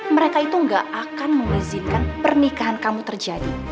mereka itu gak akan mengizinkan pernikahan kamu terjadi